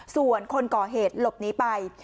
ส่วนคนก่อเหตุหลบหนีไป